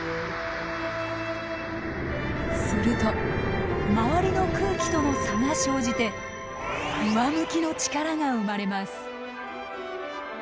すると周りの空気との差が生じて上向きの力が生まれます。